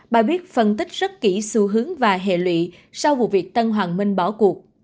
bài viết phân tích rất kỹ xu hướng và hệ lụy sau vụ việc tân hoàng minh bỏ cuộc